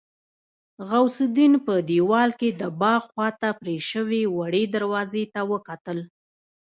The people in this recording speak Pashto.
غوث الدين په دېوال کې د باغ خواته پرې شوې وړې دروازې ته وکتل.